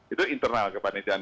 itu internal kepanitiaan